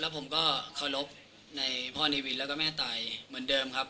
ผมก็เคารพในพ่อเนวินแล้วก็แม่ตายเหมือนเดิมครับ